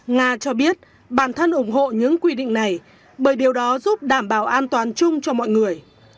nga cho biết bản thân ủng hộ những quy định này bởi điều đó giúp đảm bảo an toàn chung cho mọi người